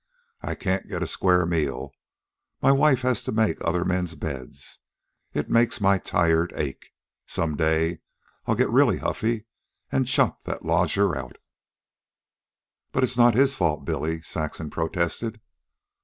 I can't get a square meal, an' my wife has to make other men's beds. It makes my tired ache. Some day I'll get real huffy an' chuck that lodger out." "But it's not his fault, Billy," Saxon protested.